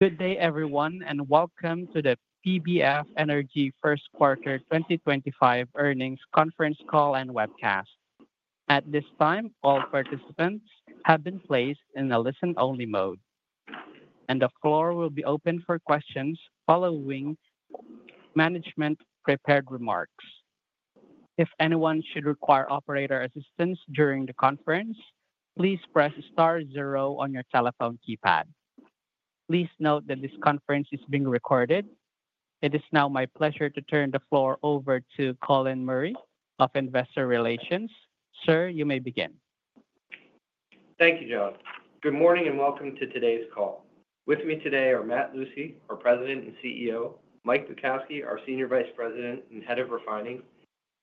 Good day, everyone, and welcome to the PBF Energy Q1 2025 Earnings Conference Call and Webcast. At this time, all participants have been placed in the listen-only mode, and the floor will be open for questions following management-prepared remarks. If anyone should require operator assistance during the conference, please press star zero on your telephone keypad. Please note that this conference is being recorded. It is now my pleasure to turn the floor over to Colin Murray of Investor Relations. Sir, you may begin. Thank you, John. Good morning and welcome to today's call. With me today are Matt Lucey, our President and CEO, Mike Bukowski, our Senior Vice President and Head of Refining,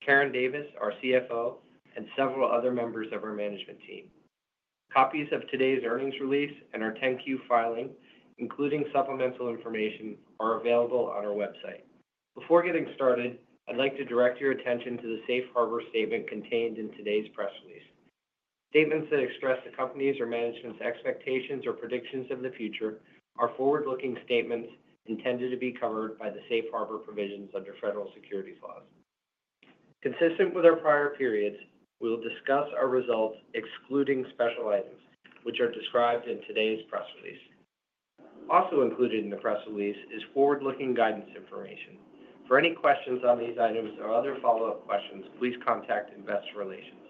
Karen Davis, our CFO, and several other members of our management team. Copies of today's earnings release and our 10-Q filing, including supplemental information, are available on our website. Before getting started, I'd like to direct your attention to the safe harbor statement contained in today's press release. Statements that express the company's or management's expectations or predictions of the future are forward-looking statements intended to be covered by the safe harbor provisions under federal securities laws. Consistent with our prior periods, we will discuss our results excluding special items, which are described in today's press release. Also included in the press release is forward-looking guidance information. For any questions on these items or other follow-up questions, please contact Investor Relations.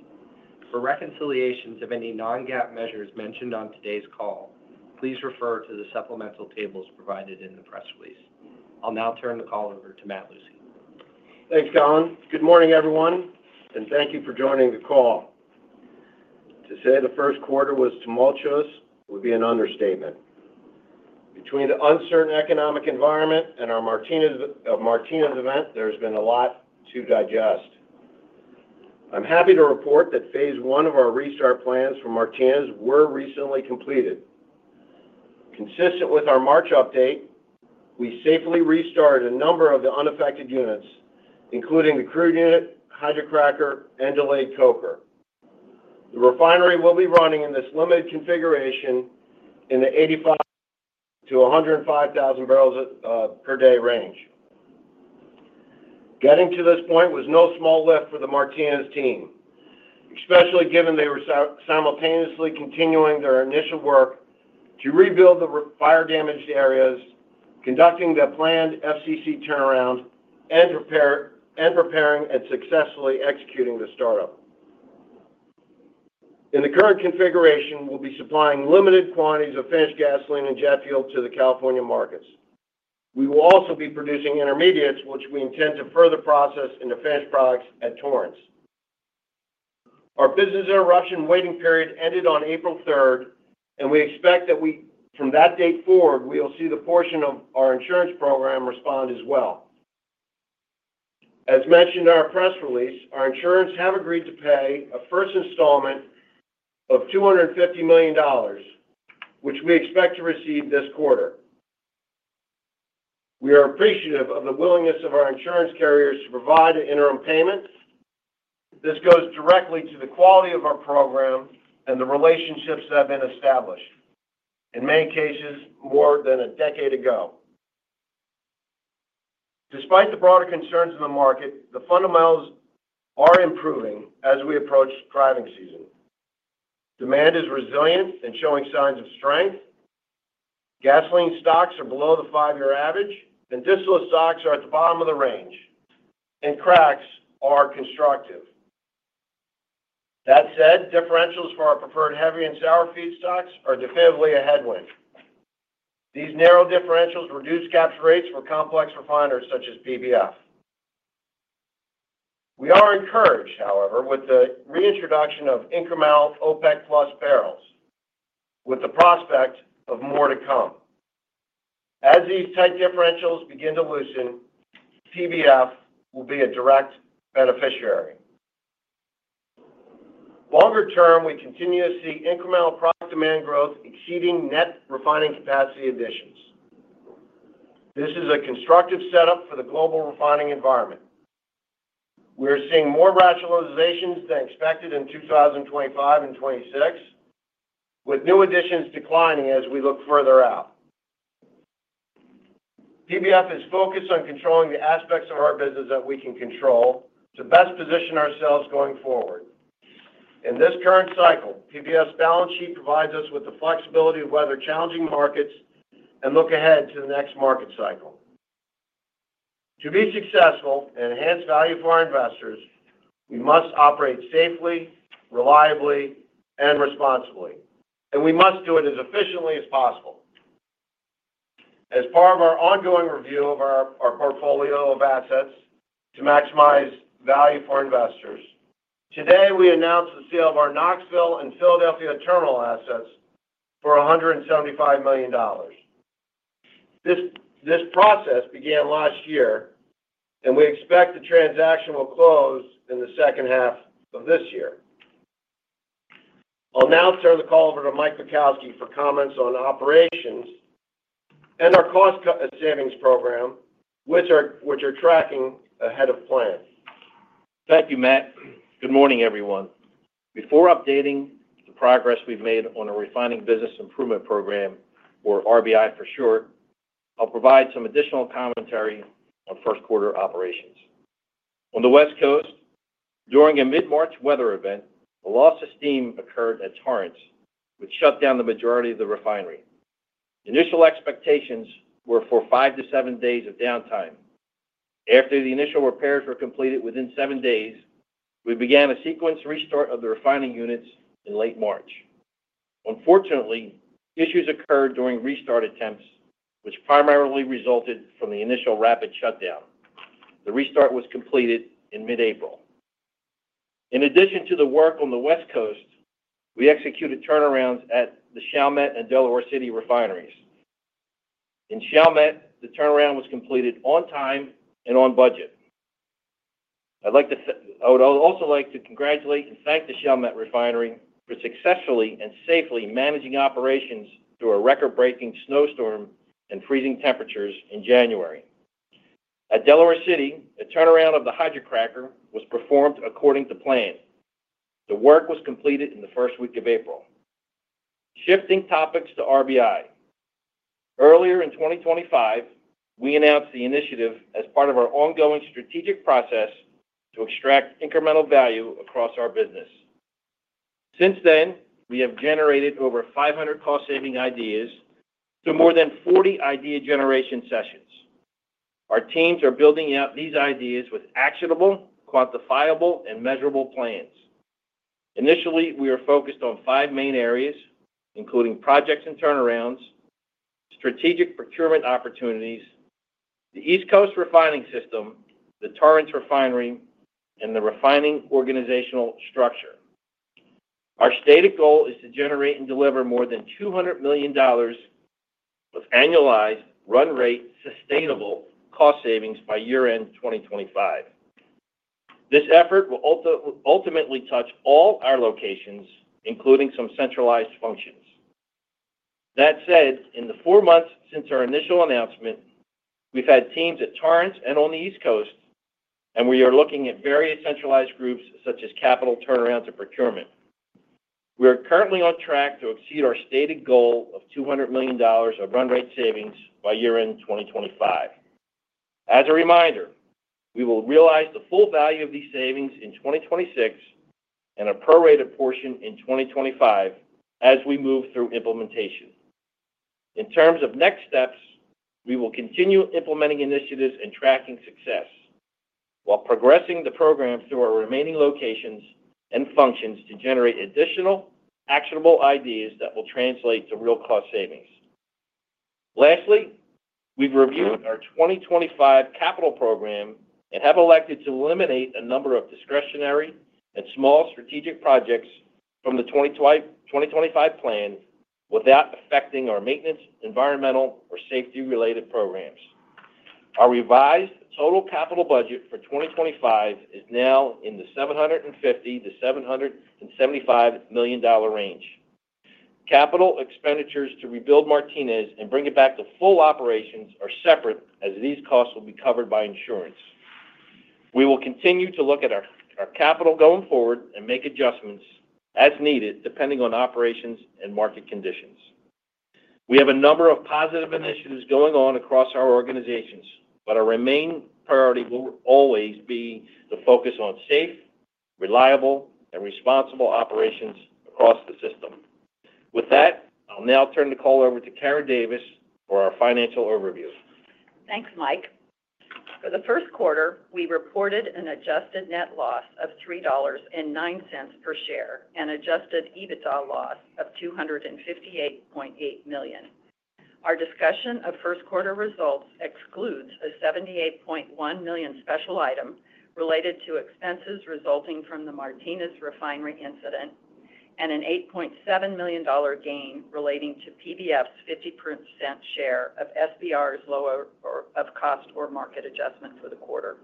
For reconciliations of any non-GAAP measures mentioned on today's call, please refer to the supplemental tables provided in the press release. I'll now turn the call over to Matt Lucey. Thanks, John. Good morning, everyone, and thank you for joining the call. To say the Q1 was tumultuous would be an understatement. Between the uncertain economic environment and our Martinez event, there's been a lot to digest. I'm happy to report that Phase 1 of our restart plans for Martinez was recently completed. Consistent with our March update, we safely restarted a number of the unaffected units, including the crude unit, hydrocracker, and delayed coker. The refinery will be running in this limited configuration in the 85,000-105,000 barrels per day range. Getting to this point was no small lift for the Martinez team, especially given they were simultaneously continuing their initial work to rebuild the fire-damaged areas, conducting the planned FCC turnaround, and preparing and successfully executing the startup. In the current configuration, we'll be supplying limited quantities of finished gasoline and jet fuel to the California markets. We will also be producing intermediates, which we intend to further process into finished products at Torrance. Our business interruption waiting period ended on April 3, and we expect that from that date forward, we will see the portion of our insurance program respond as well. As mentioned in our press release, our insurers have agreed to pay a first installment of $250 million, which we expect to receive this quarter. We are appreciative of the willingness of our insurance carriers to provide an interim payment. This goes directly to the quality of our program and the relationships that have been established, in many cases more than a decade ago. Despite the broader concerns in the market, the fundamentals are improving as we approach driving season. Demand is resilient and showing signs of strength. Gasoline stocks are below the five-year average, and distillate stocks are at the bottom of the range, and cracks are constructive. That said, differentials for our preferred heavy and sour feed stocks are definitively a headwind. These narrow differentials reduce capture rates for complex refiners such as PBF. We are encouraged, however, with the reintroduction of incremental OPEC barrels, with the prospect of more to come. As these tight differentials begin to loosen, PBF will be a direct beneficiary. Longer term, we continue to see incremental product demand growth exceeding net refining capacity additions. This is a constructive setup for the global refining environment. We are seeing more rationalizations than expected in 2025 and 2026, with new additions declining as we look further out. PBF is focused on controlling the aspects of our business that we can control to best position ourselves going forward. In this current cycle, PBF's balance sheet provides us with the flexibility to weather challenging markets and look ahead to the next market cycle. To be successful and enhance value for our investors, we must operate safely, reliably, and responsibly, and we must do it as efficiently as possible. As part of our ongoing review of our portfolio of assets to maximize value for investors, today we announced the sale of our Knoxville and Philadelphia terminal assets for $175 million. This process began last year, and we expect the transaction will close in the second half of this year. I'll now turn the call over to Mike Bukowski for comments on operations and our cost savings program, which are tracking ahead of plan. Thank you, Matt. Good morning, everyone. Before updating the progress we've made on our Refining Business Improvement program, or RBI for short, I'll provide some additional commentary on Q1 operations. On the West Coast, during a mid-March weather event, a loss of steam occurred at Torrance, which shut down the majority of the refinery. Initial expectations were for five to seven days of downtime. After the initial repairs were completed within seven days, we began a sequence restart of the refining units in late March. Unfortunately, issues occurred during restart attempts, which primarily resulted from the initial rapid shutdown. The restart was completed in mid-April. In addition to the work on the West Coast, we executed turnarounds at the Chalmette and Delaware City refineries. In Chalmette, the turnaround was completed on time and on budget. I would also like to congratulate and thank the Chalmette refinery for successfully and safely managing operations through a record-breaking snowstorm and freezing temperatures in January. At Delaware City, a turnaround of the hydrocracker was performed according to plan. The work was completed in the first week of April. Shifting topics to RBI, earlier in 2024, we announced the initiative as part of our ongoing strategic process to extract incremental value across our business. Since then, we have generated over 500 cost-saving ideas through more than 40 idea generation sessions. Our teams are building out these ideas with actionable, quantifiable, and measurable plans. Initially, we were focused on five main areas, including projects and turnarounds, strategic procurement opportunities, the East Coast refining system, the Torrance refinery, and the refining organizational structure. Our stated goal is to generate and deliver more than $200 million of annualized run-rate sustainable cost savings by year-end 2025. This effort will ultimately touch all our locations, including some centralized functions. That said, in the four months since our initial announcement, we've had teams at Torrance and on the East Coast, and we are looking at various centralized groups such as capital turnarounds and procurement. We are currently on track to exceed our stated goal of $200 million of run-rate savings by year-end 2025. As a reminder, we will realize the full value of these savings in 2026 and a prorated portion in 2025 as we move through implementation. In terms of next steps, we will continue implementing initiatives and tracking success while progressing the program through our remaining locations and functions to generate additional actionable ideas that will translate to real cost savings. Lastly, we've reviewed our 2025 capital program and have elected to eliminate a number of discretionary and small strategic projects from the 2025 plan without affecting our maintenance, environmental, or safety-related programs. Our revised total capital budget for 2025 is now in the $750 to $775 million range. Capital expenditures to rebuild Martinez and bring it back to full operations are separate as these costs will be covered by insurance. We will continue to look at our capital going forward and make adjustments as needed depending on operations and market conditions. We have a number of positive initiatives going on across our organizations, but our main priority will always be the focus on safe, reliable, and responsible operations across the system. With that, I'll now turn the call over to Karen Davis for our financial overview. Thanks, Mike. For the Q1, we reported an adjusted net loss of $3.09 per share and adjusted EBITDA loss of $258.8 million. Our discussion of Q1 results excludes a $78.1 million special item related to expenses resulting from the Martinez refinery incident and an $8.7 million gain relating to PBF's 50% share of SBR's low of cost or market adjustment for the quarter.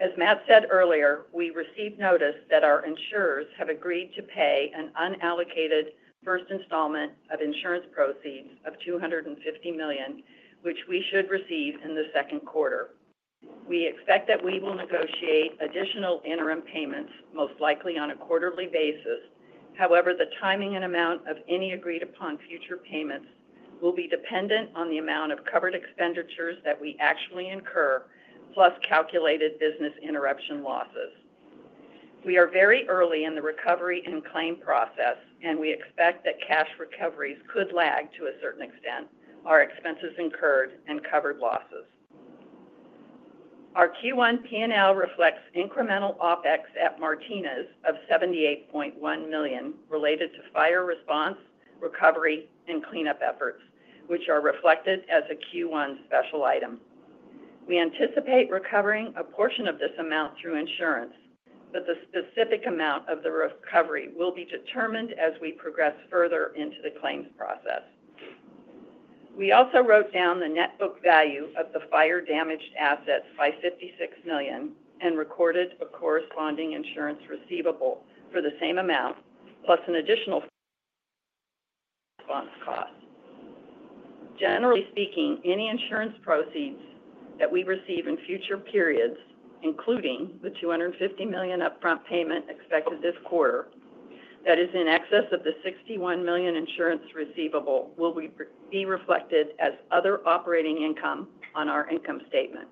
As Matt said earlier, we received notice that our insurers have agreed to pay an unallocated first installment of insurance proceeds of $250 million, which we should receive in the Q2. We expect that we will negotiate additional interim payments, most likely on a quarterly basis. However, the timing and amount of any agreed-upon future payments will be dependent on the amount of covered expenditures that we actually incur, plus calculated business interruption losses. We are very early in the recovery and claim process, and we expect that cash recoveries could lag to a certain extent our expenses incurred and covered losses. Our Q1 P&L reflects incremental OpEx at Martinez of $78.1 million related to fire response, recovery, and cleanup efforts, which are reflected as a Q1 special item. We anticipate recovering a portion of this amount through insurance, but the specific amount of the recovery will be determined as we progress further into the claims process. We also wrote down the net book value of the fire-damaged assets by $56 million and recorded a corresponding insurance receivable for the same amount, plus an additional response cost. Generally speaking, any insurance proceeds that we receive in future periods, including the $250 million upfront payment expected this quarter that is in excess of the $61 million insurance receivable, will be reflected as other operating income on our income statement.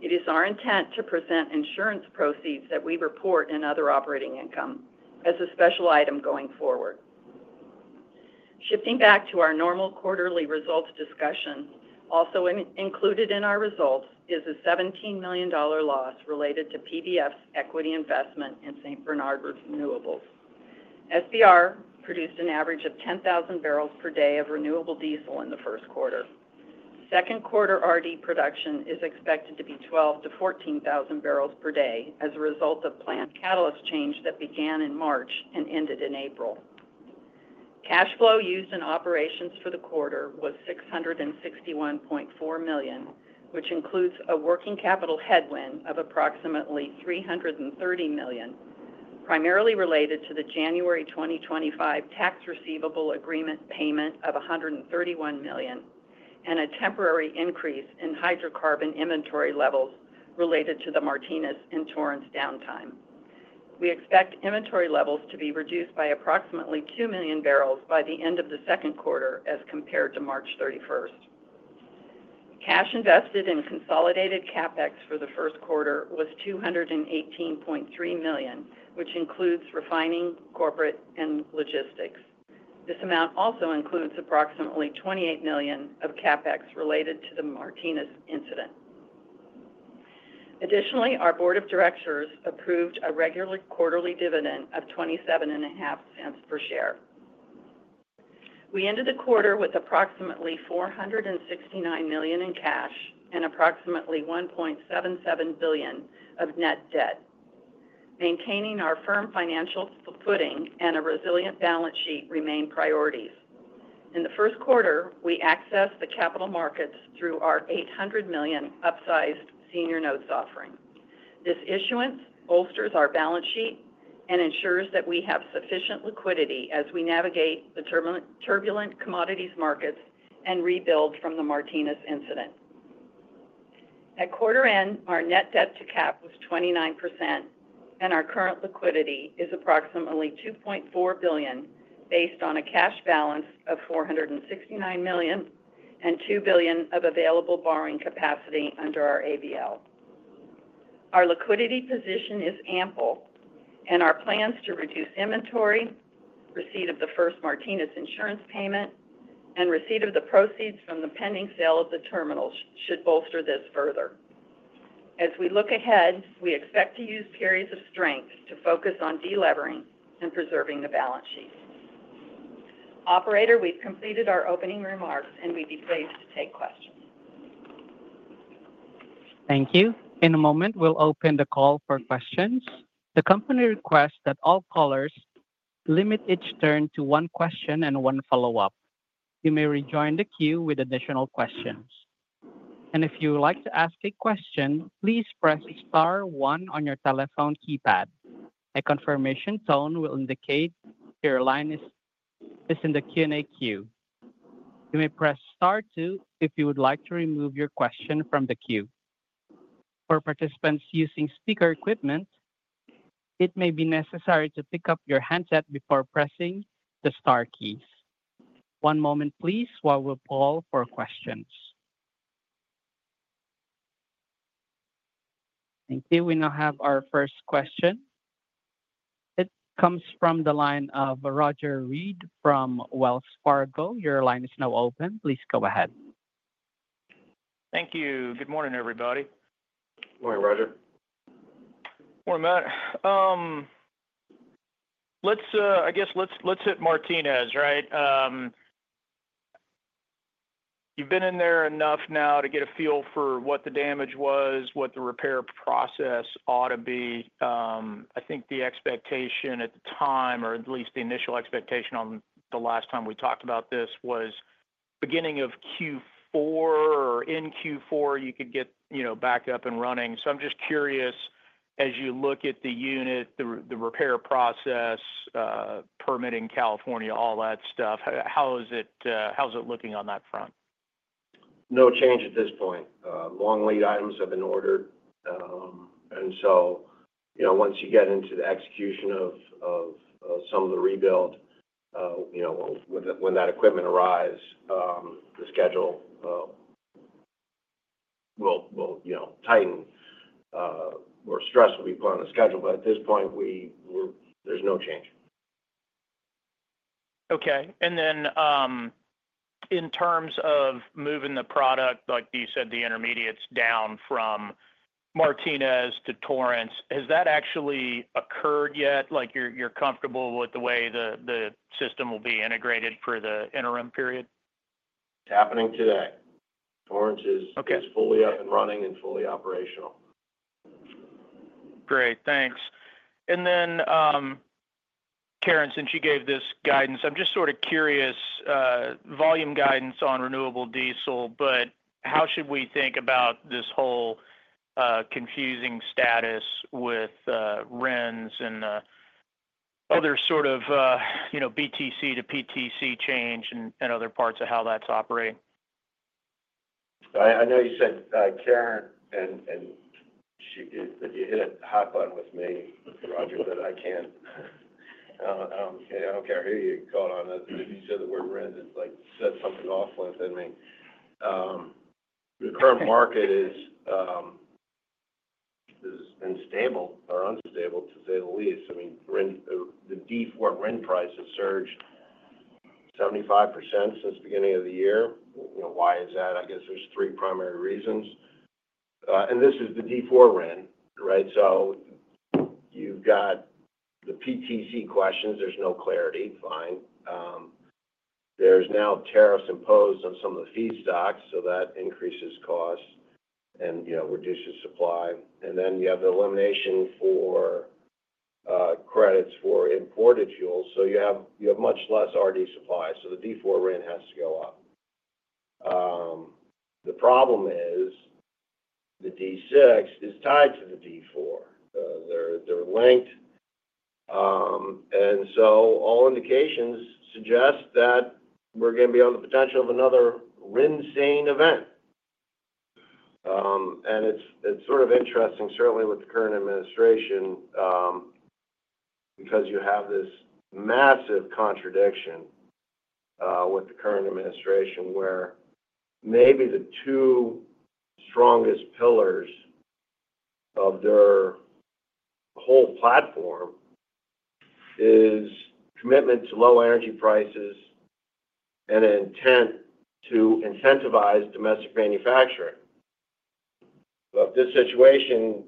It is our intent to present insurance proceeds that we report in other operating income as a special item going forward. Shifting back to our normal quarterly results discussion, also included in our results is a $17 million loss related to PBF's equity investment in St. Bernard Renewables. SBR produced an average of 10,000 barrels per day of renewable diesel in the Q1. Q2 RD production is expected to be 12,000 to 14,000 barrels per day as a result of planned catalyst change that began in March and ended in April. Cash flow used in operations for the quarter was $661.4 million, which includes a working capital headwind of approximately $330 million, primarily related to the January 2025 tax receivable agreement payment of $131 million, and a temporary increase in hydrocarbon inventory levels related to the Martinez and Torrance downtime. We expect inventory levels to be reduced by approximately 2 million barrels by the end of the Q2 as compared to March 31. Cash invested in consolidated CapEx for the Q1 was $218.3 million, which includes refining, corporate, and logistics. This amount also includes approximately $28 million of CapEx related to the Martinez incident. Additionally, our board of directors approved a regular quarterly dividend of $0.2750 per share. We ended the quarter with approximately $469 million in cash and approximately $1.77 billion of net debt. Maintaining our firm financial footing and a resilient balance sheet remain priorities. In the Q1, we accessed the capital markets through our $800 million upsized senior notes offering. This issuance bolsters our balance sheet and ensures that we have sufficient liquidity as we navigate the turbulent commodities markets and rebuild from the Martinez incident. At quarter end, our net debt to cap was 29%, and our current liquidity is approximately $2.4 billion based on a cash balance of $469 million and $2 billion of available borrowing capacity under our ABL. Our liquidity position is ample, and our plans to reduce inventory, receipt of the first Martinez insurance payment, and receipt of the proceeds from the pending sale of the terminals should bolster this further. As we look ahead, we expect to use periods of strength to focus on delevering and preserving the balance sheet. Operator, we've completed our opening remarks, and we'd be pleased to take questions. Thank you. In a moment, we'll open the call for questions. The company requests that all callers limit each turn to one question and one follow-up. You may rejoin the queue with additional questions. If you would like to ask a question, please press star one on your telephone keypad. A confirmation tone will indicate your line is in the Q&A queue. You may press star two if you would like to remove your question from the queue. For participants using speaker equipment, it may be necessary to pick up your handset before pressing the star keys. One moment, please, while we poll for questions. Thank you. We now have our first question. It comes from the line of Roger Read from Wells Fargo. Your line is now open. Please go ahead. Thank you. Good morning, everybody. Morning, Roger. Morning, Matt. I guess let's hit Martinez, right? You've been in there enough now to get a feel for what the damage was, what the repair process ought to be. I think the expectation at the time, or at least the initial expectation on the last time we talked about this, was beginning of Q4 or in Q4, you could get back up and running. I'm just curious, as you look at the unit, the repair process, permitting California, all that stuff, how's it looking on that front? No change at this point. Long lead items have been ordered. Once you get into the execution of some of the rebuild, when that equipment arrives, the schedule will tighten or stress will be put on the schedule. At this point, there's no change. Okay. In terms of moving the product, like you said, the intermediates down from Martinez to Torrance, has that actually occurred yet? You're comfortable with the way the system will be integrated for the interim period? It's happening today. Torrance is fully up and running and fully operational. Great. Thanks. Karen, since you gave this guidance, I'm just sort of curious, volume guidance on renewable diesel, but how should we think about this whole confusing status with RINs and other sort of BTC to PTC change and other parts of how that's operating? I know you said Karen, and you hit a hot button with me, Roger, that I can't—I don't care who you called on. If you said the word RINs, it's like said something awful. I mean, the current market has been stable or unstable, to say the least. I mean, the D4 RIN price has surged 75% since the beginning of the year. Why is that? I guess there's three primary reasons. And this is the D4 RIN, right? So you've got the PTC questions. There's no clarity. Fine. There's now tariffs imposed on some of the feedstocks, so that increases costs and reduces supply. And then you have the elimination for credits for imported fuels. So you have much less RD supply. So the D4 RIN has to go up. The problem is the D6 is tied to the D4. They're linked. All indications suggest that we're going to be on the potential of another RIN seen event. It is sort of interesting, certainly with the current administration, because you have this massive contradiction with the current administration where maybe the two strongest pillars of their whole platform are commitment to low energy prices and an intent to incentivize domestic manufacturing. If this situation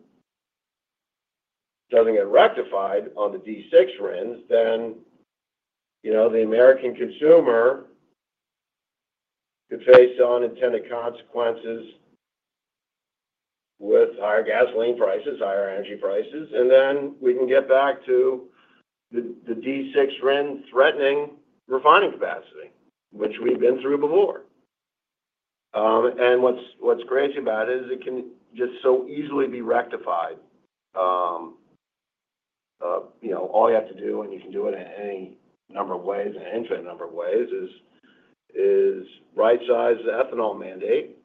does not get rectified on the D6 RINs, then the American consumer could face unintended consequences with higher gasoline prices, higher energy prices. We can get back to the D6 RIN threatening refining capacity, which we've been through before. What is crazy about it is it can just so easily be rectified. All you have to do, and you can do it in any number of ways and infinite number of ways, is right-size the ethanol mandate.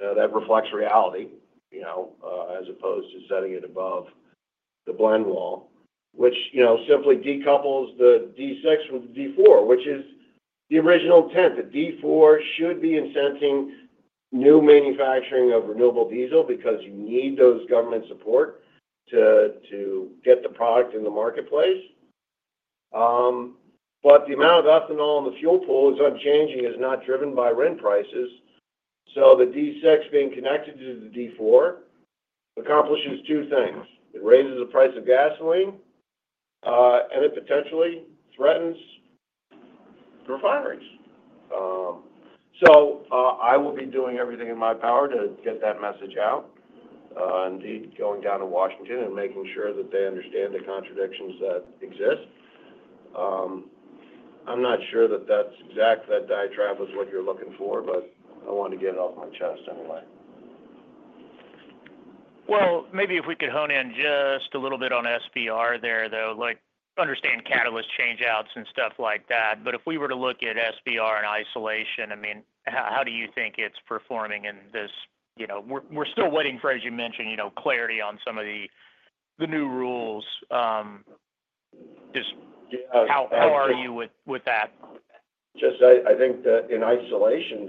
That reflects reality as opposed to setting it above the blend wall, which simply decouples the D6 from the D4, which is the original intent. The D4 should be incenting new manufacturing of renewable diesel because you need those government support to get the product in the marketplace. The amount of ethanol in the fuel pool is unchanging as not driven by RIN prices. The D6 being connected to the D4 accomplishes two things. It raises the price of gasoline, and it potentially threatens refineries. I will be doing everything in my power to get that message out, indeed going down to Washington and making sure that they understand the contradictions that exist. I'm not sure that that's exactly that diatribe was what you're looking for, but I wanted to get it off my chest anyway. Maybe if we could hone in just a little bit on SBR there, though, understand catalyst changeouts and stuff like that. If we were to look at SBR in isolation, I mean, how do you think it's performing in this? We're still waiting for, as you mentioned, clarity on some of the new rules. How are you with that? Just I think that in isolation,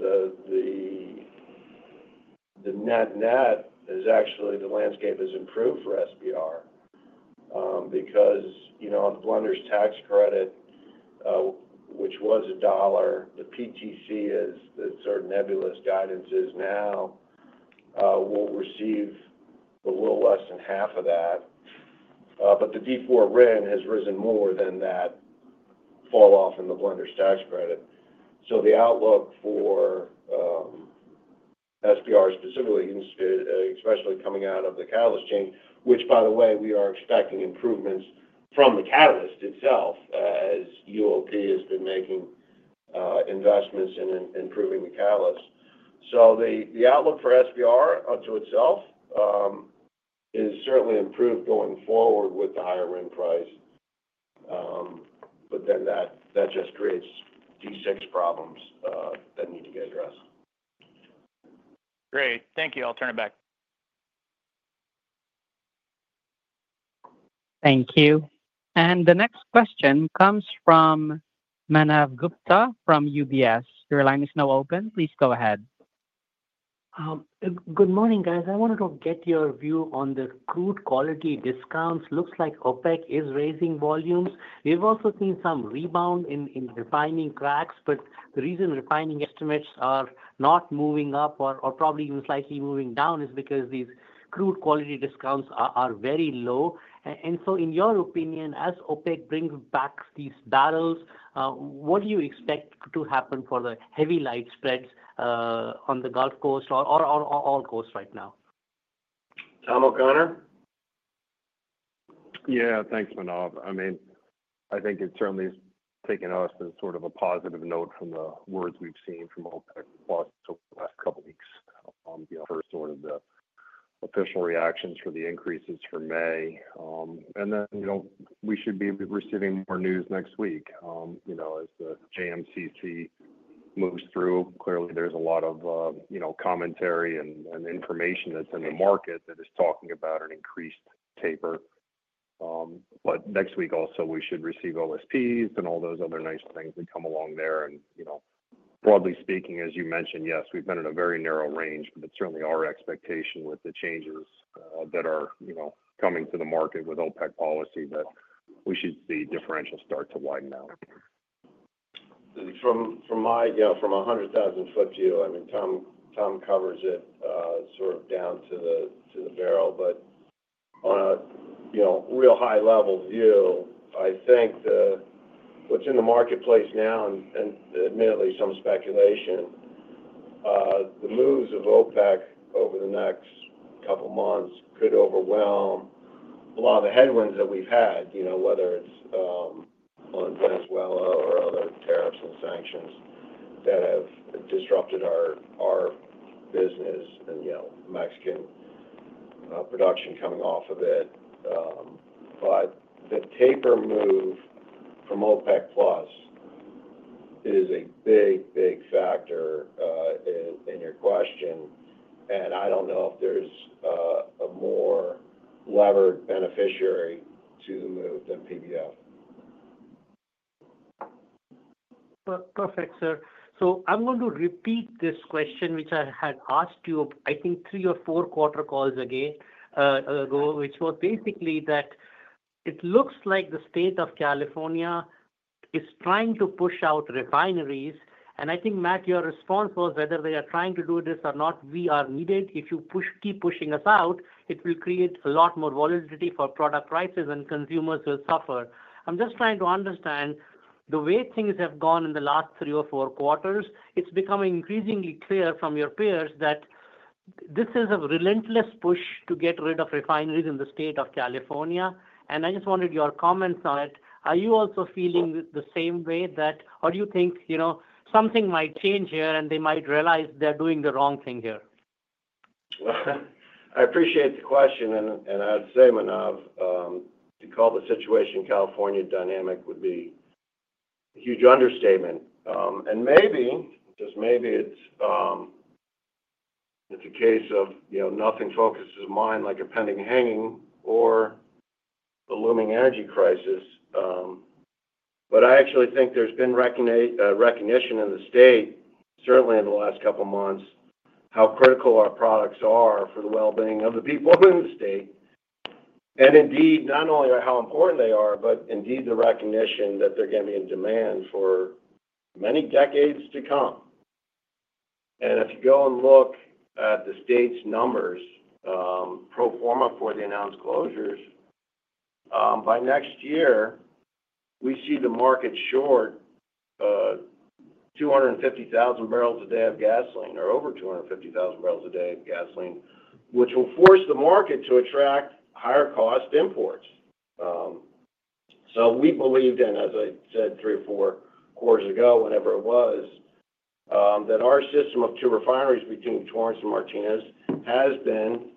the net net is actually the landscape has improved for SBR because on the blenders tax credit, which was a dollar, the PTC is the sort of nebulous guidance is now will receive a little less than half of that. But the D4 RIN has risen more than that falloff in the blenders tax credit. The outlook for SBR specifically, especially coming out of the catalyst change, which, by the way, we are expecting improvements from the catalyst itself as UOP has been making investments in improving the catalyst. The outlook for SBR to itself is certainly improved going forward with the higher RIN price, but then that just creates D6 problems that need to be addressed. Great. Thank you. I'll turn it back. Thank you. The next question comes from Manav Gupta from UBS. Your line is now open. Please go ahead. Good morning, guys. I wanted to get your view on the crude quality discounts. Looks like OPEC is raising volumes. We've also seen some rebound in refining cracks, but the reason refining estimates are not moving up or probably even slightly moving down is because these crude quality discounts are very low. In your opinion, as OPEC brings back these barrels, what do you expect to happen for the heavy light spreads on the Gulf Coast or all coasts right now? Tom O'Connor? Yeah. Thanks, Manav. I mean, I think it certainly is taking us as sort of a positive note from the words we've seen from OPEC over the last couple of weeks for sort of the official reactions for the increases for May. We should be receiving more news next week as the JMCC moves through. Clearly, there's a lot of commentary and information that's in the market that is talking about an increased taper. Next week also, we should receive OSPs and all those other nice things that come along there. Broadly speaking, as you mentioned, yes, we've been in a very narrow range, but it's certainly our expectation with the changes that are coming to the market with OPEC policy that we should see differentials start to widen out. From a 100,000 foot view, I mean, Tom covers it sort of down to the barrel, but on a real high-level view, I think what's in the marketplace now, and admittedly some speculation, the moves of OPEC over the next couple of months could overwhelm a lot of the headwinds that we've had, whether it's on Venezuela or other tariffs and sanctions that have disrupted our business and Mexican production coming off of it. The taper move from OPEC+ is a big, big factor in your question, and I don't know if there's a more levered beneficiary to the move than PBF. Perfect, sir. I'm going to repeat this question, which I had asked you, I think, three or four quarter calls ago, which was basically that it looks like the state of California is trying to push out refineries. I think, Matt, your response was whether they are trying to do this or not, we are needed. If you keep pushing us out, it will create a lot more volatility for product prices and consumers will suffer. I'm just trying to understand the way things have gone in the last three or four quarters. It's becoming increasingly clear from your peers that this is a relentless push to get rid of refineries in the state of California. I just wanted your comments on it. Are you also feeling the same way that, or do you think something might change here and they might realize they're doing the wrong thing here? I appreciate the question. I'd say, Manav, to call the situation in California dynamic would be a huge understatement. Maybe, just maybe, it's a case of nothing focuses the mind like a pending hanging or a looming energy crisis. I actually think there's been recognition in the state, certainly in the last couple of months, how critical our products are for the well-being of the people in the state. Indeed, not only how important they are, but indeed the recognition that they're going to be in demand for many decades to come. If you go and look at the state's numbers pro forma for the announced closures, by next year, we see the market short 250,000 barrels a day of gasoline or over 250,000 barrels a day of gasoline, which will force the market to attract higher-cost imports. We believed in, as I said three or four quarters ago, whenever it was, that our system of two refineries between Torrance and Martinez has been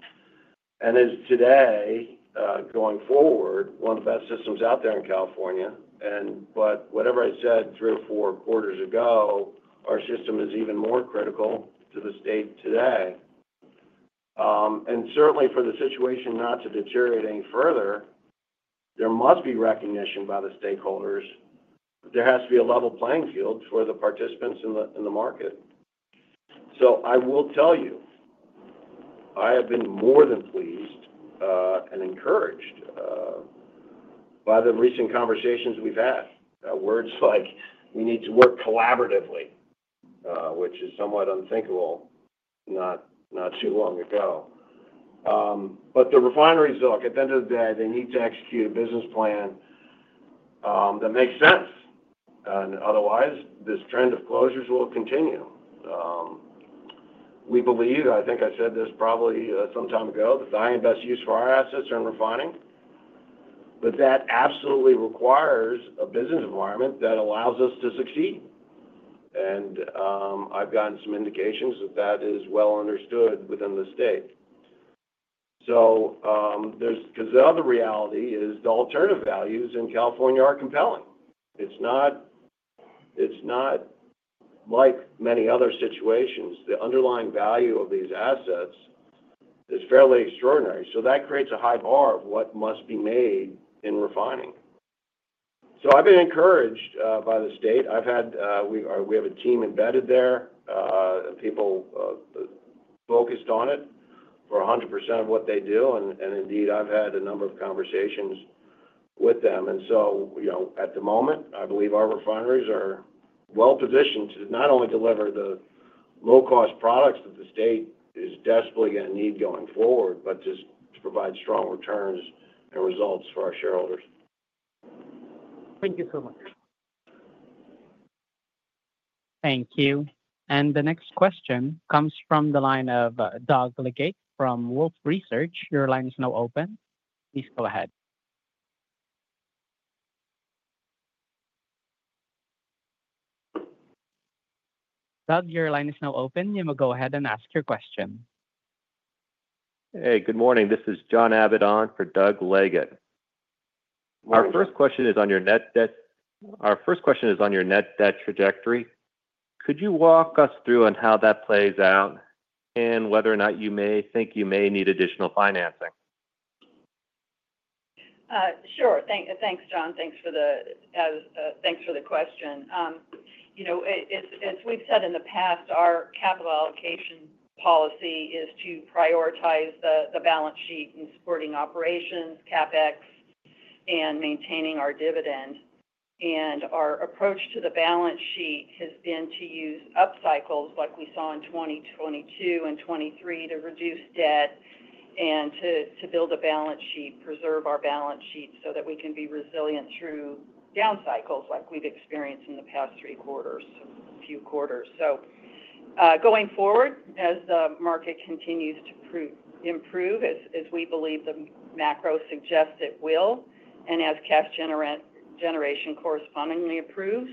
and is today, going forward, one of the best systems out there in California. Whatever I said three or four quarters ago, our system is even more critical to the state today. Certainly, for the situation not to deteriorate any further, there must be recognition by the stakeholders. There has to be a level playing field for the participants in the market. I will tell you, I have been more than pleased and encouraged by the recent conversations we have had. Words like we need to work collaboratively, which is somewhat unthinkable not too long ago. The refineries, look, at the end of the day, they need to execute a business plan that makes sense. Otherwise, this trend of closures will continue. We believe, and I think I said this probably some time ago, the value and best use for our assets are in refining, but that absolutely requires a business environment that allows us to succeed. I have gotten some indications that that is well understood within the state. The other reality is the alternative values in California are compelling. It is not like many other situations. The underlying value of these assets is fairly extraordinary. That creates a high bar of what must be made in refining. I have been encouraged by the state. We have a team embedded there and people focused on it for 100% of what they do. Indeed, I have had a number of conversations with them. At the moment, I believe our refineries are well positioned to not only deliver the low-cost products that the state is desperately going to need going forward, but just to provide strong returns and results for our shareholders. Thank you so much. Thank you. The next question comes from the line of Doug Leggate from Wolfe Research. Your line is now open. Please go ahead. Doug, your line is now open. You may go ahead and ask your question. Hey, good morning. This is John Abidon for Doug Leggate. Our first question is on your net debt. Our first question is on your net debt trajectory. Could you walk us through on how that plays out and whether or not you may think you may need additional financing? Sure. Thanks, John. Thanks for the question. As we've said in the past, our capital allocation policy is to prioritize the balance sheet and supporting operations, CapEx, and maintaining our dividend. Our approach to the balance sheet has been to use up cycles like we saw in 2022 and 2023 to reduce debt and to build a balance sheet, preserve our balance sheet so that we can be resilient through down cycles like we've experienced in the past three quarters, a few quarters. Going forward, as the market continues to improve, as we believe the macro suggests it will, and as cash generation correspondingly improves,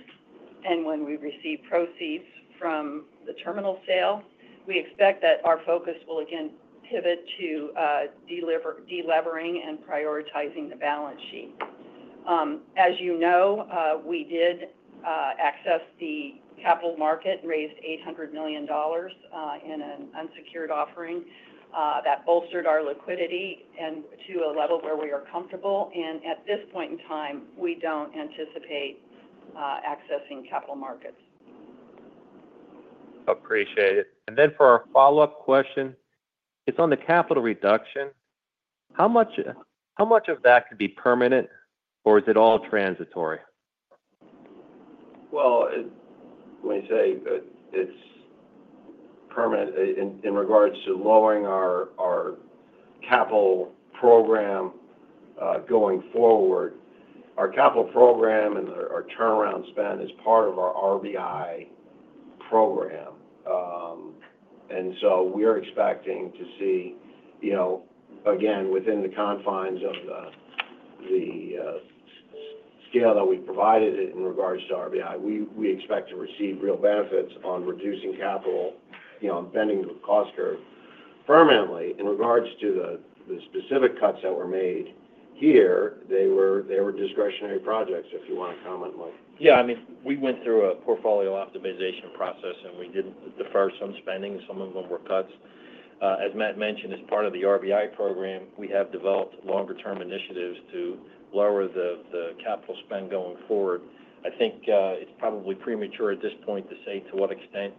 and when we receive proceeds from the terminal sale, we expect that our focus will again pivot to delivering and prioritizing the balance sheet. As you know, we did access the capital market and raised $800 million in an unsecured offering that bolstered our liquidity to a level where we are comfortable. At this point in time, we don't anticipate accessing capital markets. Appreciate it. For our follow-up question, it's on the capital reduction. How much of that could be permanent, or is it all transitory? Let me say it's permanent in regards to lowering our capital program going forward. Our capital program and our turnaround spend is part of our RBI program. We are expecting to see, again, within the confines of the scale that we provided in regards to RBI, we expect to receive real benefits on reducing capital and bending the cost curve permanently. In regards to the specific cuts that were made here, they were discretionary projects, if you want to comment. Yeah. I mean, we went through a portfolio optimization process, and we did defer some spending. Some of them were cuts. As Matt mentioned, as part of the RBI program, we have developed longer-term initiatives to lower the capital spend going forward. I think it's probably premature at this point to say to what extent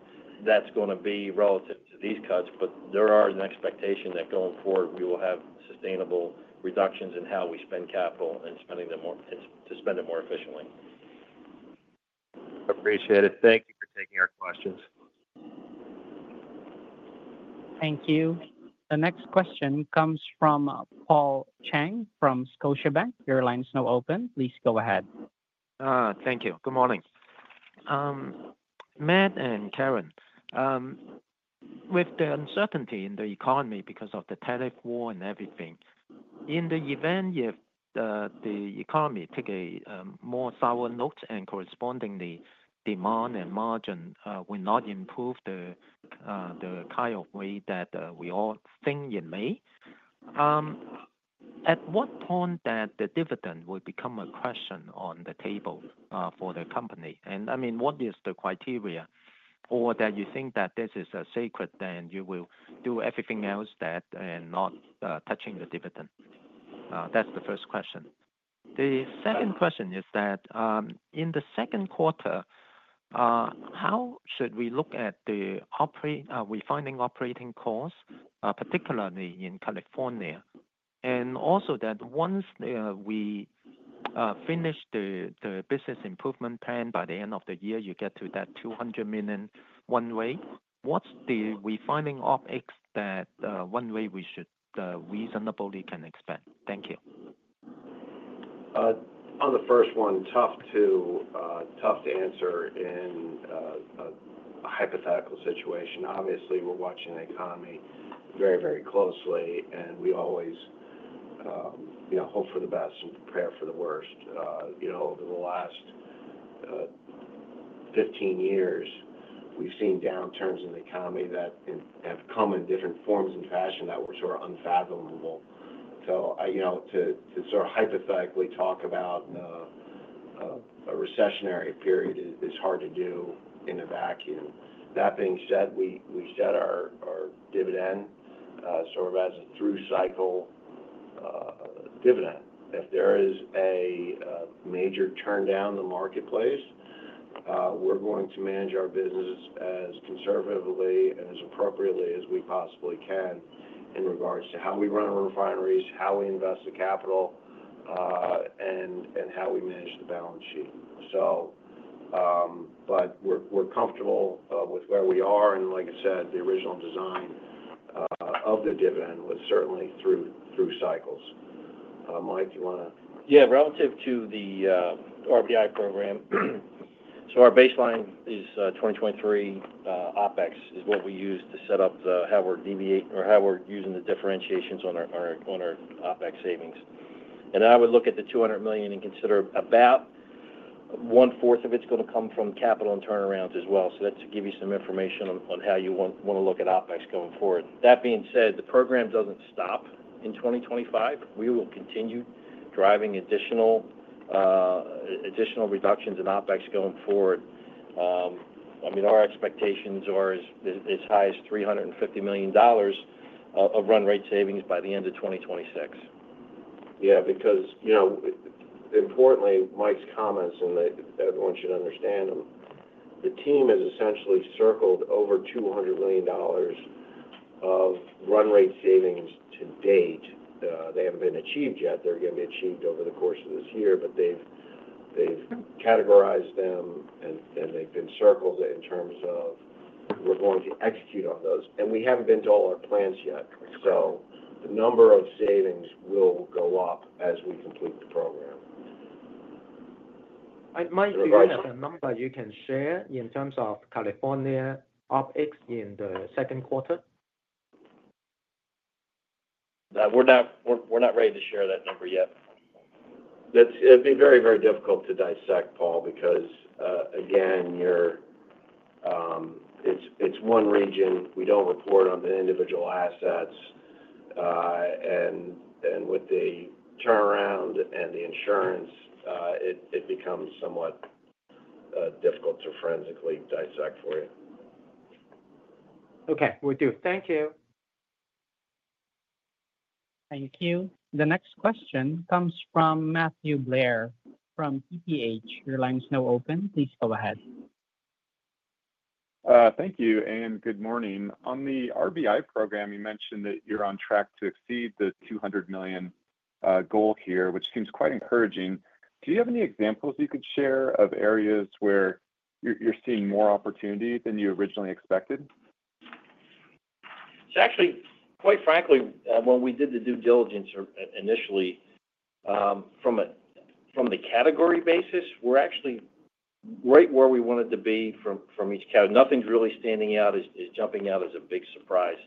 that's going to be relative to these cuts, but there are an expectation that going forward, we will have sustainable reductions in how we spend capital and spending them to spend it more efficiently. Appreciate it. Thank you for taking our questions. Thank you. The next question comes from Paul Cheng from Scotiabank. Your line is now open. Please go ahead. Thank you. Good morning. Matt and Karen, with the uncertainty in the economy because of the tariff war and everything, in the event if the economy took a more sour note and correspondingly, demand and margin will not improve the kind of way that we all think it may, at what point that the dividend will become a question on the table for the company? I mean, what is the criteria? Or that you think that this is a secret, then you will do everything else that and not touching the dividend. That's the first question. The second question is that in the Q2, how should we look at the refining operating costs, particularly in California? Also, once we finish the business improvement plan by the end of the year, you get to that $200 million one-way, what's the refining OpEx that one-way we should reasonably can expect? Thank you. On the first one, tough to answer in a hypothetical situation. Obviously, we're watching the economy very, very closely, and we always hope for the best and prepare for the worst. Over the last 15 years, we've seen downturns in the economy that have come in different forms and fashion that were sort of unfathomable. To sort of hypothetically talk about a recessionary period is hard to do in a vacuum. That being said, we set our dividend sort of as a through-cycle dividend. If there is a major turndown in the marketplace, we're going to manage our business as conservatively and as appropriately as we possibly can in regards to how we run our refineries, how we invest the capital, and how we manage the balance sheet. We're comfortable with where we are. Like I said, the original design of the dividend was certainly through cycles. Mike, do you want to? Yeah. Relative to the RBI program, our baseline is 2023 OpEx, which is what we use to set up how we're using the differentiations on our OpEx savings. I would look at the $200 million and consider about one-fourth of it is going to come from capital and turnarounds as well. That is to give you some information on how you want to look at OpEx going forward. That being said, the program does not stop in 2025. We will continue driving additional reductions in OpEx going forward. I mean, our expectations are as high as $350 million of run rate savings by the end of 2026. Yeah. Because importantly, Mike's comments and everyone should understand them. The team has essentially circled over $200 million of run rate savings to date. They have not been achieved yet. They are going to be achieved over the course of this year, but they have categorized them and they have been circled in terms of we are going to execute on those. We have not been to all our plans yet. The number of savings will go up as we complete the program. Mike, do you have a number you can share in terms of California OpEx in the Q2? We're not ready to share that number yet. It'd be very, very difficult to dissect, Paul, because, again, it's one region. We don't report on the individual assets. With the turnaround and the insurance, it becomes somewhat difficult to forensically dissect for you. Okay. Will do. Thank you. Thank you. The next question comes from Matthew Blair from TPH. Your line is now open. Please go ahead. Thank you. Good morning. On the RBI program, you mentioned that you're on track to exceed the $200 million goal here, which seems quite encouraging. Do you have any examples you could share of areas where you're seeing more opportunity than you originally expected? Quite frankly, when we did the due diligence initially, from the category basis, we're actually right where we wanted to be from each category. Nothing's really standing out as jumping out as a big surprise.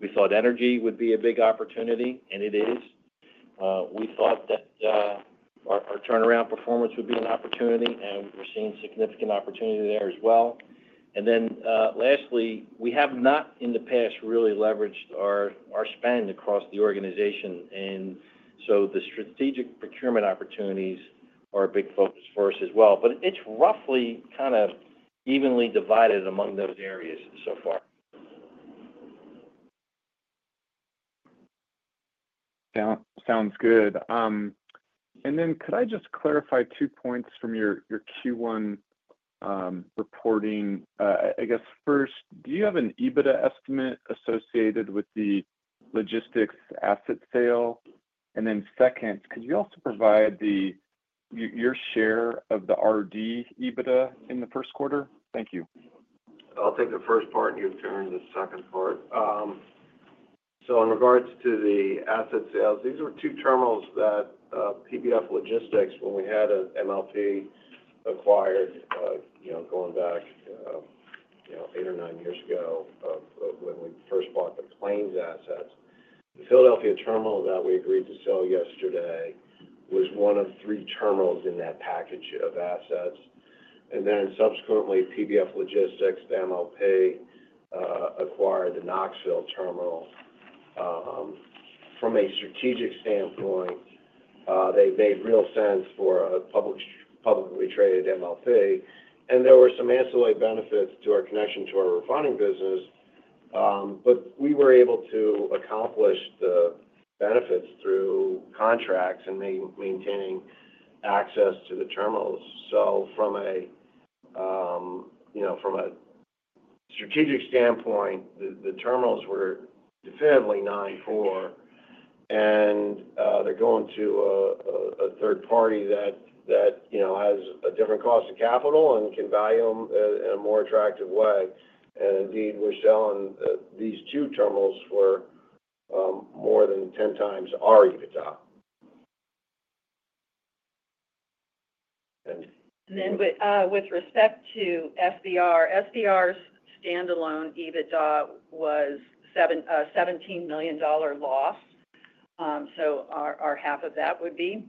We thought energy would be a big opportunity, and it is. We thought that our turnaround performance would be an opportunity, and we're seeing significant opportunity there as well. Lastly, we have not in the past really leveraged our spend across the organization. The strategic procurement opportunities are a big focus for us as well. It's roughly kind of evenly divided among those areas so far. Sounds good. Could I just clarify two points from your Q1 reporting? I guess first, do you have an EBITDA estimate associated with the logistics asset sale? Could you also provide your share of the RD EBITDA in the Q1? Thank you. I'll take the first part and you can turn to the second part. In regards to the asset sales, these were two terminals that PBF Logistics, when we had an MLP, acquired going back eight or nine years ago when we first bought the Plains assets. The Philadelphia terminal that we agreed to sell yesterday was one of three terminals in that package of assets. Then subsequently, PBF Logistics, the MLP, acquired the Knoxville terminal. From a strategic standpoint, they made real sense for a publicly traded MLP. There were some ancillary benefits to our connection to our refining business, but we were able to accomplish the benefits through contracts and maintaining access to the terminals. From a strategic standpoint, the terminals were definitively nine for, and they're going to a third party that has a different cost of capital and can value them in a more attractive way. Indeed, we're selling these two terminals for more than 10 times our EBITDA. With respect to SBR, SBR's standalone EBITDA was a $17 million loss. Our half of that would be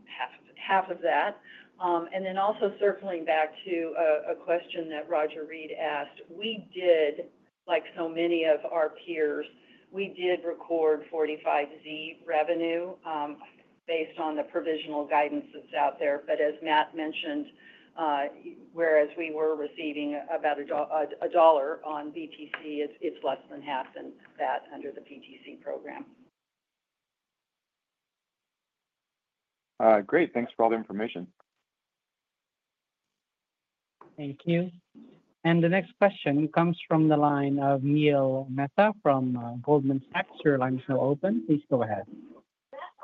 half of that. Also, circling back to a question that Roger Reed asked, we did, like so many of our peers, record 45Z revenue based on the provisional guidance that is out there. As Matt mentioned, whereas we were receiving about a dollar on VTC, it is less than half of that under the PTC program. Great. Thanks for all the information. Thank you. The next question comes from the line of Neil Mehta from Goldman Sachs. Your line is now open. Please go ahead.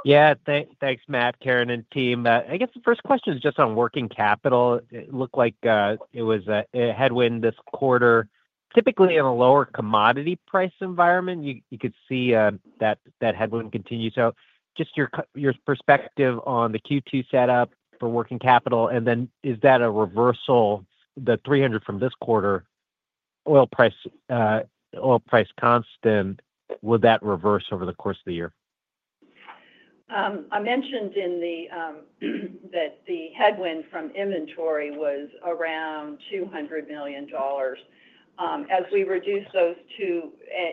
Yeah. Thanks, Matt, Karen, and team. I guess the first question is just on working capital. It looked like it was a headwind this quarter. Typically, in a lower commodity price environment, you could see that headwind continue. Just your perspective on the Q2 setup for working capital, and then is that a reversal? The $300 from this quarter, oil price constant, will that reverse over the course of the year? I mentioned that the headwind from inventory was around $200 million. As we reduce those two,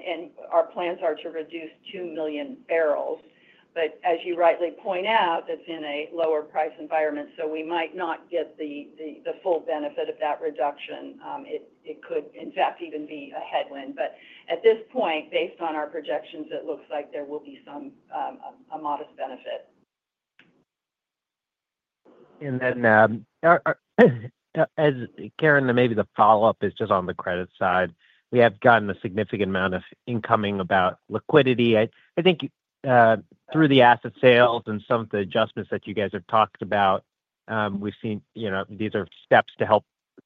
and our plans are to reduce 2 million barrels. As you rightly point out, it's in a lower price environment, so we might not get the full benefit of that reduction. It could, in fact, even be a headwind. At this point, based on our projections, it looks like there will be a modest benefit. Karen, maybe the follow-up is just on the credit side. We have gotten a significant amount of incoming about liquidity. I think through the asset sales and some of the adjustments that you guys have talked about, we've seen these are steps to help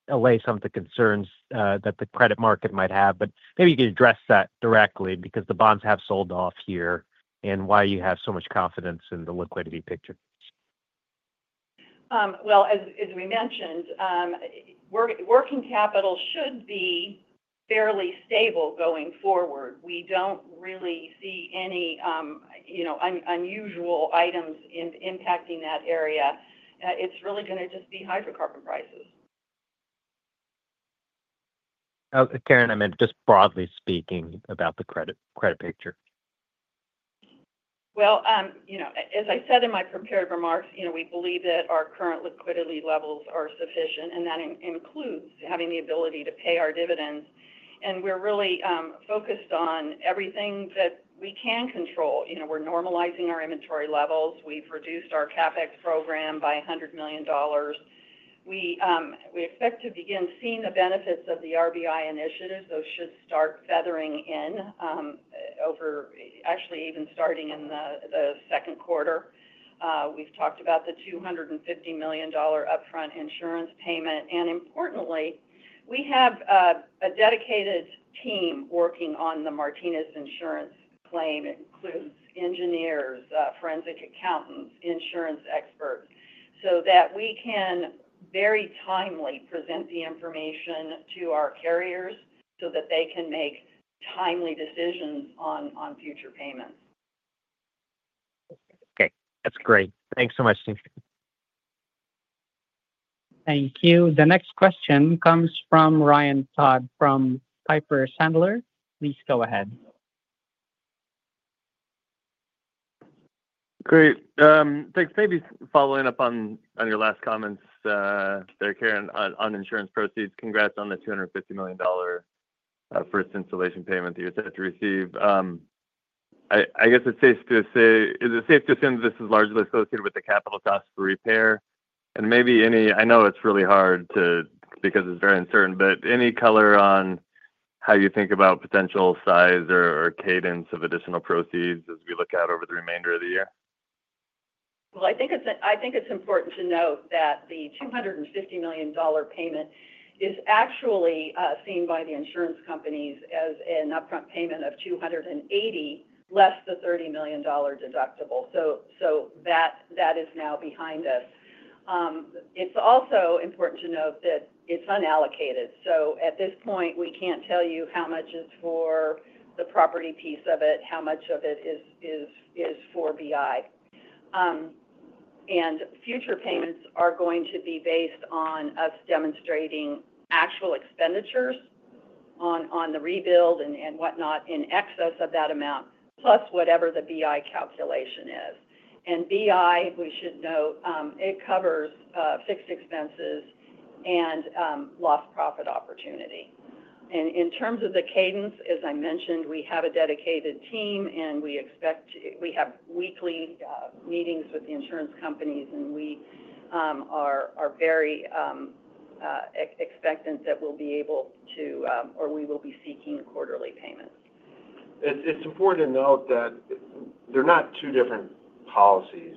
allay some of the concerns that the credit market might have. Maybe you could address that directly because the bonds have sold off here and why you have so much confidence in the liquidity picture. As we mentioned, working capital should be fairly stable going forward. We don't really see any unusual items impacting that area. It's really going to just be hydrocarbon prices. Karen, I meant, just broadly speaking about the credit picture. As I said in my prepared remarks, we believe that our current liquidity levels are sufficient, and that includes having the ability to pay our dividends. We're really focused on everything that we can control. We're normalizing our inventory levels. We've reduced our CapEx program by $100 million. We expect to begin seeing the benefits of the RBI initiatives. Those should start feathering in over, actually, even starting in the Q2. We've talked about the $250 million upfront insurance payment. Importantly, we have a dedicated team working on the Martinez insurance claim. It includes engineers, forensic accountants, insurance experts so that we can very timely present the information to our carriers so that they can make timely decisions on future payments. Okay. That's great. Thanks so much. Thank you. The next question comes from Ryan Todd from Piper Sandler. Please go ahead. Great. Thanks. Maybe following up on your last comments there, Karen, on insurance proceeds, congrats on the $250 million first installation payment that you're set to receive. I guess it's safe to say, is it safe to assume that this is largely associated with the capital cost for repair? And maybe any, I know it's really hard because it's very uncertain, but any color on how you think about potential size or cadence of additional proceeds as we look out over the remainder of the year? I think it's important to note that the $250 million payment is actually seen by the insurance companies as an upfront payment of $280 million, less the $30 million deductible. That is now behind us. It's also important to note that it's unallocated. At this point, we can't tell you how much is for the property piece of it, how much of it is for BI. Future payments are going to be based on us demonstrating actual expenditures on the rebuild and whatnot in excess of that amount, plus whatever the BI calculation is. BI, we should note, covers fixed expenses and loss profit opportunity. In terms of the cadence, as I mentioned, we have a dedicated team, and we have weekly meetings with the insurance companies, and we are very expectant that we'll be able to, or we will be seeking quarterly payments. It's important to note that they're not two different policies.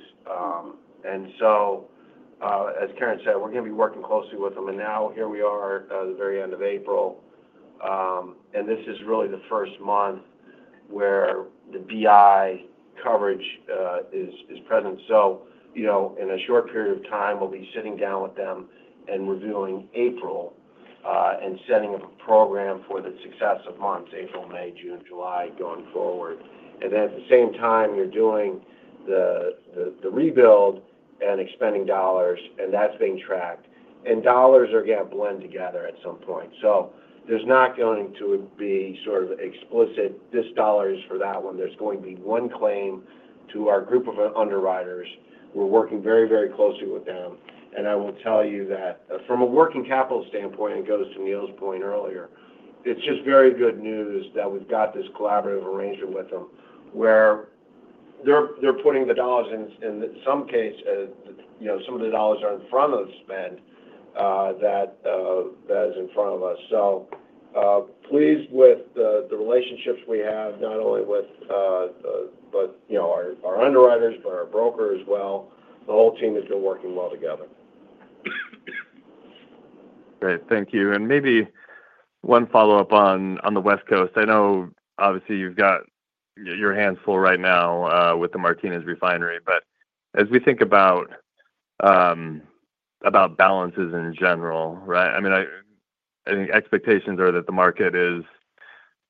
As Karen said, we're going to be working closely with them. Here we are at the very end of April, and this is really the first month where the BI coverage is present. In a short period of time, we'll be sitting down with them and reviewing April and setting up a program for the successive months, April, May, June, July going forward. At the same time, you're doing the rebuild and expending dollars, and that's being tracked. Dollars are going to blend together at some point. There's not going to be sort of explicit, "This dollar is for that one." There's going to be one claim to our group of underwriters. We're working very, very closely with them. I will tell you that from a working capital standpoint, it goes to Neil's point earlier. It's just very good news that we've got this collaborative arrangement with them where they're putting the dollars in. In some case, some of the dollars are in front of the spend that is in front of us. Pleased with the relationships we have, not only with our underwriters, but our broker as well. The whole team has been working well together. Great. Thank you. Maybe one follow-up on the West Coast. I know, obviously, you've got your hands full right now with the Martinez refinery. As we think about balances in general, right, I mean, I think expectations are that the market is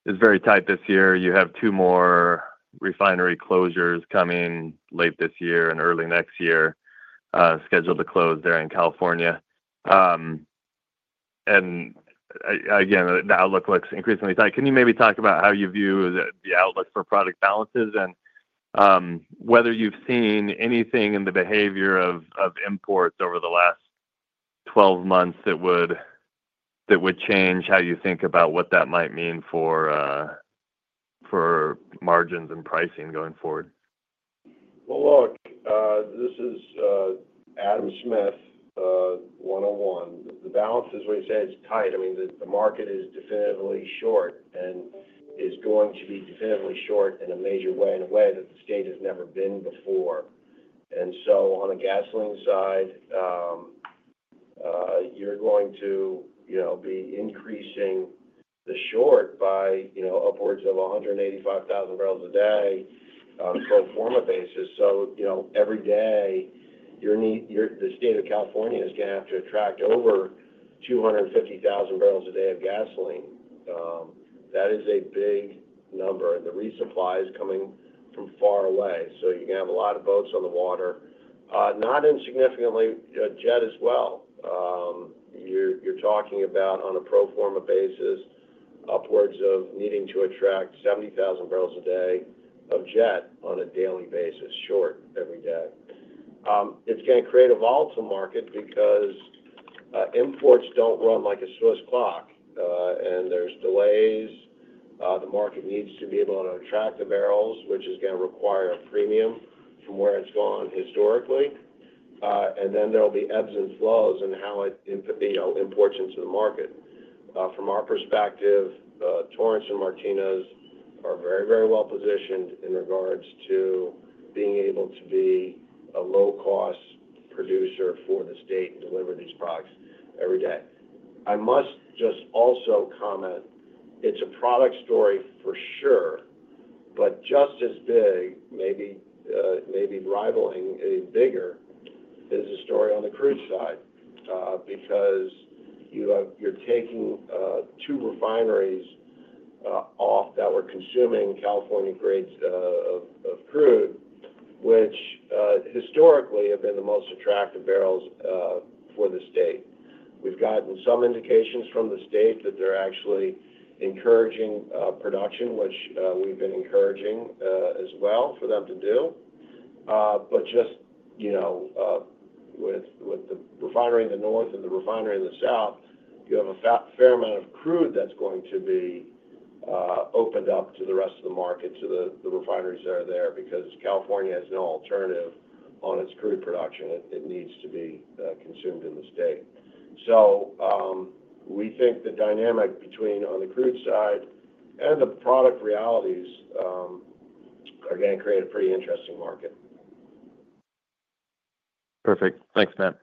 very tight this year. You have two more refinery closures coming late this year and early next year, scheduled to close there in California. Again, the outlook looks increasingly tight. Can you maybe talk about how you view the outlook for product balances and whether you've seen anything in the behavior of imports over the last 12 months that would change how you think about what that might mean for margins and pricing going forward? This is Adam Smith 101. The balance is, when you say it's tight, I mean, the market is definitively short and is going to be definitively short in a major way, in a way that the state has never been before. On the gasoline side, you're going to be increasing the short by upwards of 185,000 barrels a day on a pro forma basis. Every day, the state of California is going to have to attract over 250,000 barrels a day of gasoline. That is a big number. The resupply is coming from far away. You're going to have a lot of boats on the water. Not insignificantly, jet as well. You're talking about, on a pro forma basis, upwards of needing to attract 70,000 barrels a day of jet on a daily basis, short every day. It's going to create a volatile market because imports don't run like a Swiss clock, and there's delays. The market needs to be able to attract the barrels, which is going to require a premium from where it's gone historically. There will be ebbs and flows in how it imports into the market. From our perspective, Torrance and Martinez are very, very well positioned in regards to being able to be a low-cost producer for the state and deliver these products every day. I must just also comment, it's a product story for sure, but just as big, maybe rivaling a bigger, is the story on the crude side because you're taking two refineries off that were consuming California-grade crude, which historically have been the most attractive barrels for the state. We've gotten some indications from the state that they're actually encouraging production, which we've been encouraging as well for them to do. Just with the refinery in the north and the refinery in the south, you have a fair amount of crude that's going to be opened up to the rest of the market, to the refineries that are there because California has no alternative on its crude production. It needs to be consumed in the state. We think the dynamic between on the crude side and the product realities are going to create a pretty interesting market. Perfect. Thanks, Matt.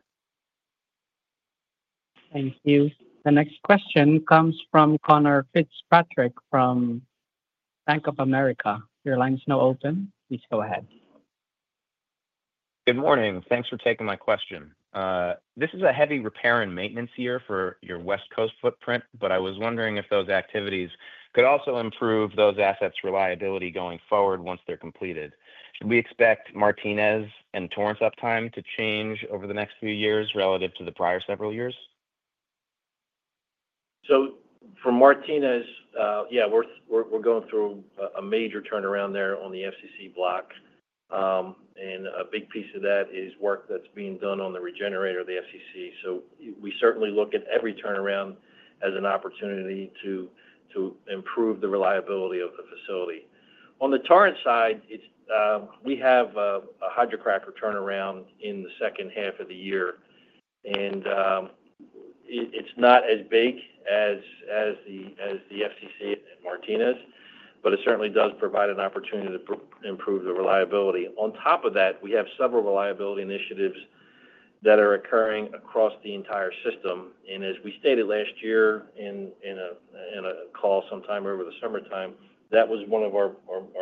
Thank you. The next question comes from Connor Fitzpatrick from Bank of America. Your line is now open. Please go ahead. Good morning. Thanks for taking my question. This is a heavy repair and maintenance year for your West Coast footprint, but I was wondering if those activities could also improve those assets' reliability going forward once they're completed. Should we expect Martinez and Torrance uptime to change over the next few years relative to the prior several years? For Martinez, yeah, we're going through a major turnaround there on the FCC block. A big piece of that is work that's being done on the regenerator of the FCC. We certainly look at every turnaround as an opportunity to improve the reliability of the facility. On the Torrance side, we have a hydrocracker turnaround in the second half of the year. It's not as big as the FCC in Martinez, but it certainly does provide an opportunity to improve the reliability. On top of that, we have several reliability initiatives that are occurring across the entire system. As we stated last year in a call sometime over the summertime, that was one of our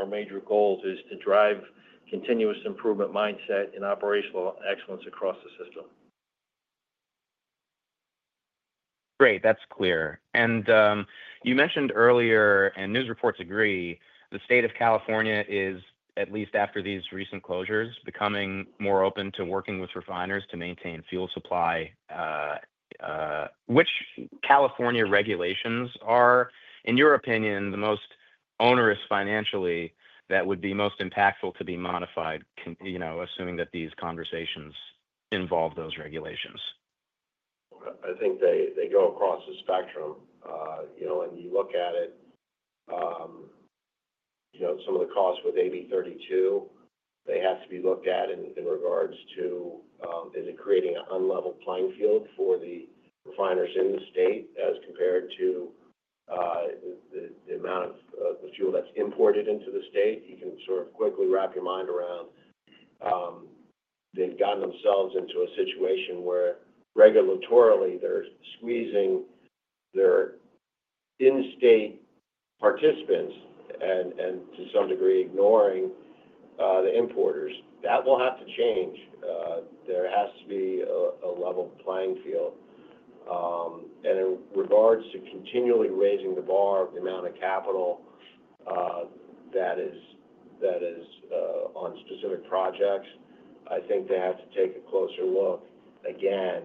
major goals, to drive continuous improvement mindset and operational excellence across the system. Great. That's clear. You mentioned earlier, and news reports agree, the State of California is, at least after these recent closures, becoming more open to working with refiners to maintain fuel supply. Which California regulations are, in your opinion, the most onerous financially that would be most impactful to be modified, assuming that these conversations involve those regulations? I think they go across the spectrum. You look at it, some of the costs with AB32, they have to be looked at in regards to, is it creating an unlevel playing field for the refiners in the state as compared to the amount of the fuel that's imported into the state? You can sort of quickly wrap your mind around. They've gotten themselves into a situation where regulatorily, they're squeezing their in-state participants and, to some degree, ignoring the importers. That will have to change. There has to be a level playing field. In regards to continually raising the bar of the amount of capital that is on specific projects, I think they have to take a closer look again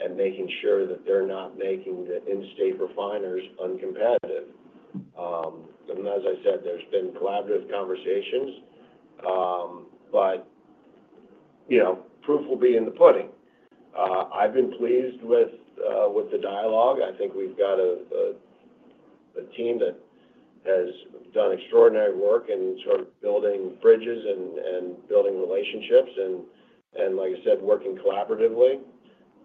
and make sure that they're not making the in-state refiners uncompetitive. As I said, there's been collaborative conversations, but proof will be in the pudding. I've been pleased with the dialogue. I think we've got a team that has done extraordinary work in sort of building bridges and building relationships and, like I said, working collaboratively.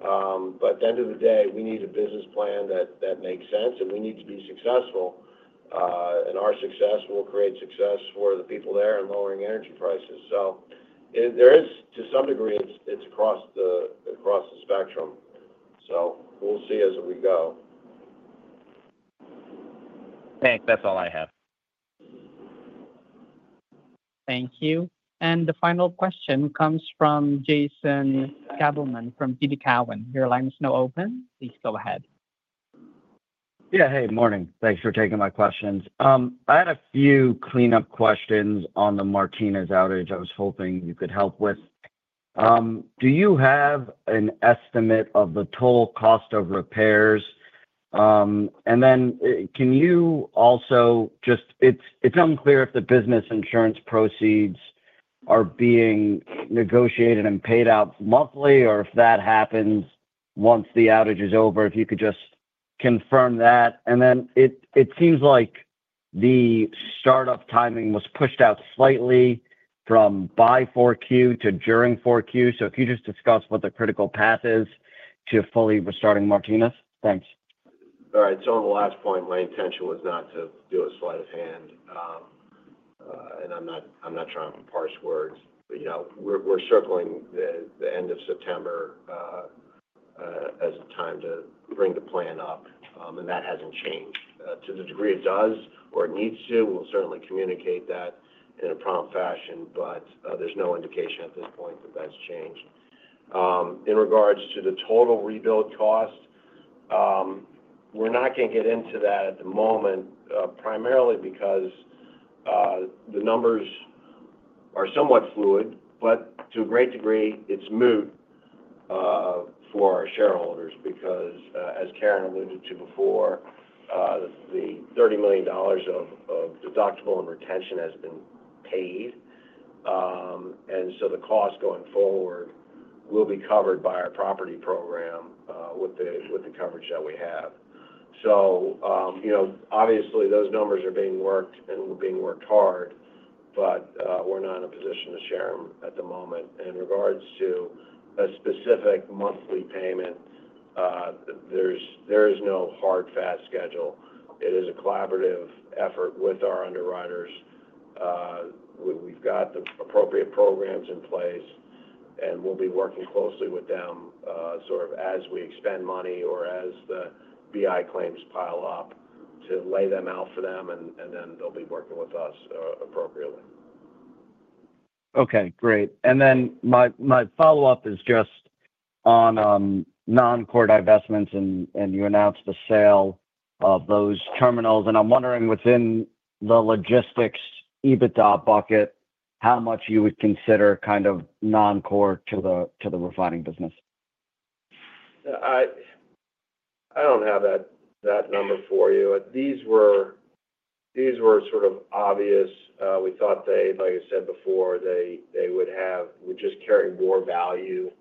At the end of the day, we need a business plan that makes sense, and we need to be successful. Our success will create success for the people there in lowering energy prices. To some degree, it's across the spectrum. We'll see as we go. Thanks. That's all I have. Thank you. The final question comes from Jason Gabelman from TD Cowen. Your line is now open. Please go ahead. Yeah. Hey, morning. Thanks for taking my questions. I had a few cleanup questions on the Martinez outage I was hoping you could help with. Do you have an estimate of the total cost of repairs? Can you also just—it's unclear if the business insurance proceeds are being negotiated and paid out monthly or if that happens once the outage is over, if you could just confirm that. It seems like the startup timing was pushed out slightly from by Q4 to during Q4. Could you just discuss what the critical path is to fully restarting Martinez? Thanks. All right. On the last point, my intention was not to do a sleight of hand, and I'm not trying to parse words. We're circling the end of September as a time to bring the plan up, and that hasn't changed. To the degree it does or it needs to, we'll certainly communicate that in a prompt fashion, but there's no indication at this point that that's changed. In regards to the total rebuild cost, we're not going to get into that at the moment, primarily because the numbers are somewhat fluid, but to a great degree, it's moot for our shareholders because, as Karen alluded to before, the $30 million of deductible and retention has been paid. The cost going forward will be covered by our property program with the coverage that we have. Obviously, those numbers are being worked and being worked hard, but we're not in a position to share them at the moment. In regards to a specific monthly payment, there is no hard, fast schedule. It is a collaborative effort with our underwriters. We've got the appropriate programs in place, and we'll be working closely with them sort of as we expend money or as the BI claims pile up to lay them out for them, and then they'll be working with us appropriately. Okay. Great. My follow-up is just on non-core divestments, and you announced the sale of those terminals. I am wondering, within the logistics EBITDA bucket, how much you would consider kind of non-core to the refining business? I don't have that number for you. These were sort of obvious. We thought they, like I said before, they would just carry more value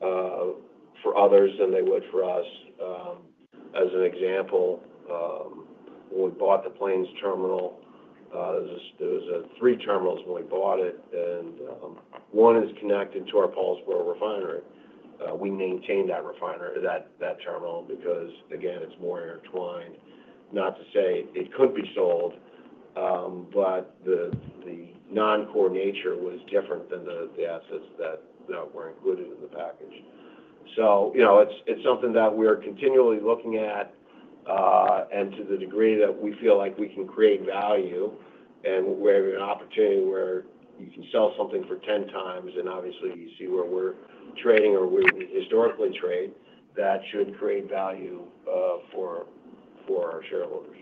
for others than they would for us. As an example, when we bought the Plains terminal, there were three terminals when we bought it. One is connected to our Paul'sboro refinery. We maintain that terminal because, again, it's more intertwined. Not to say it could be sold, but the non-core nature was different than the assets that were included in the package. It is something that we're continually looking at and to the degree that we feel like we can create value and we have an opportunity where you can sell something for 10 times, and obviously, you see where we're trading or we historically trade, that should create value for our shareholders.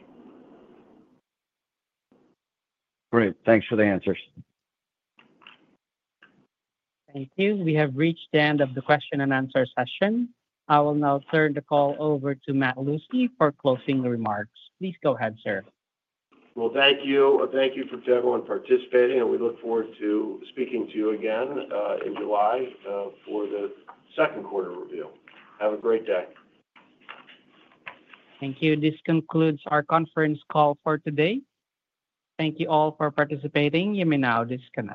Great. Thanks for the answers. Thank you. We have reached the end of the question and answer session. I will now turn the call over to Matt Lucey for closing remarks. Please go ahead, sir. Thank you. Thank you for everyone participating, and we look forward to speaking to you again in July for the Q2 review. Have a great day. Thank you. This concludes our conference call for today. Thank you all for participating. You may now disconnect.